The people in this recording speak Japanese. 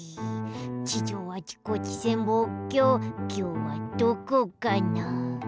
地上あちこち潜望鏡きょうはどこかな？